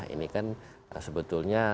ini kan sebetulnya